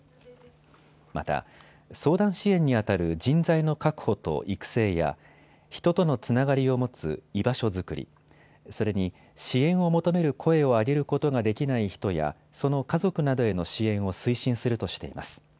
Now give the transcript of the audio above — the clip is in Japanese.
また、相談支援にあたる人材の確保と育成や人とのつながりを持つ居場所づくり、それに支援を求める声を上げることができない人やその家族などへの支援を推進するとしています。